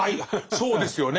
そうですよね。